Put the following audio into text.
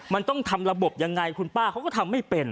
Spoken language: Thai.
มันต้องทำระบบยังไงคุณป้าเขาก็ทำไม่เป็น